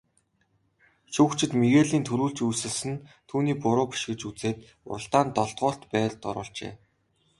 Шүүгчид Мигелийн түрүүлж үсэрсэн нь түүний буруу биш гэж үзээд уралдаанд долдугаарт байрт оруулжээ.